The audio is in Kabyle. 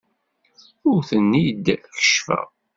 Ur ten-id-keccfeɣ.